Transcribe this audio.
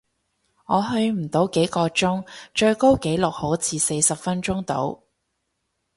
我去唔到幾個鐘，最高紀錄好似四十分鐘度